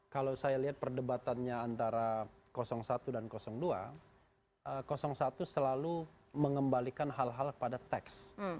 kalau saya lihat perdebatannya antara satu dan dua satu selalu mengembalikan hal hal pada teks